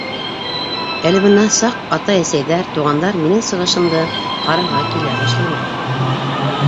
Әле бына саҡ атай-әсәйҙәр, туғандар минең сығышымды ҡарарға килә башланы.